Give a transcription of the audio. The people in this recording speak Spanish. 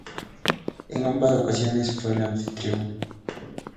En ambas ocasiones fue el anfitrión.